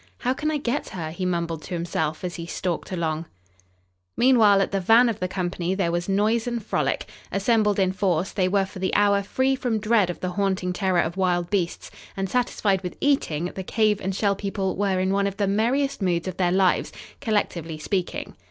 "How can I get her?" he mumbled to himself, as he stalked along. Meanwhile, at the van of the company there was noise and frolic. Assembled in force, they were for the hour free from dread of the haunting terror of wild beasts, and, satisfied with eating, the Cave and Shell People were in one of the merriest moods of their lives, collectively speaking.